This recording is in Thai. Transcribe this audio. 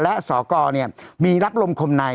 และสอกรมีรับรมคมไหน